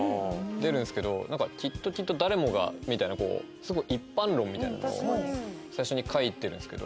なんか「きっときっと誰もが」みたいなこうすごい一般論みたいな事を最初に書いてるんですけど。